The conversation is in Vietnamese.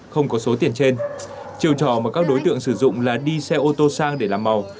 không có số tiền trên chiều trò mà các đối tượng sử dụng là đi xe ô tô sang để làm màu